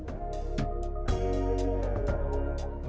ketika dia berpikir dia mencari jelit kedua